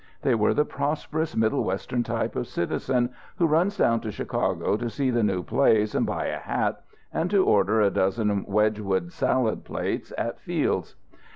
They were the prosperous Middle Western type of citizen who runs down to Chicago to see the new plays and buy a hat, and to order a dozen Wedgwood salad plates at Field's.